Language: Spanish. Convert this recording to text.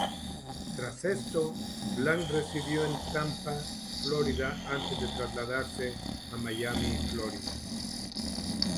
Tras esto, Blank residió en Tampa, Florida, antes de trasladarse a Miami, Florida.